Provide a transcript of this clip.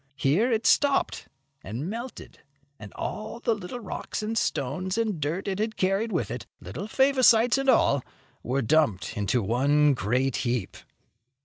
Here it stopped and melted, and all the rocks and stones and dirt it had carried with it, little Favosites and all, were dumped into one great heap.